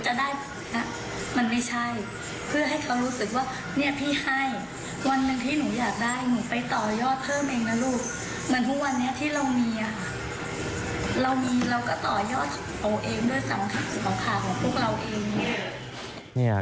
เหมือนทุกวันนี้ที่เรามีเราก็ต่อยอดตัวเองด้วยสำคัญสุขขาดของพวกเราเอง